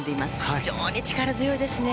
非常に力強いですね。